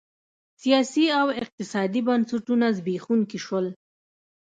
سیاسي او اقتصادي بنسټونه زبېښونکي شول